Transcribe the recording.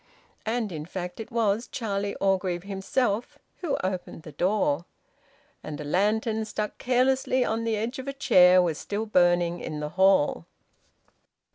And in fact it was Charlie Orgreave himself who opened the door. And a lantern, stuck carelessly on the edge of a chair, was still burning in the hall.